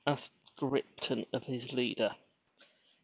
*' asked Ripton of his leader.